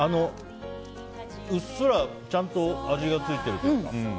うっすらちゃんと味がついてるというか。